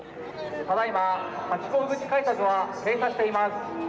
ただいまハチ公口改札は閉鎖しています。